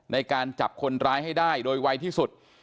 ในการจับคนร้ายให้ได้โดยไวที่สุด